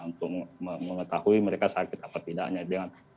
untuk mengetahui mereka sakit apa tidaknya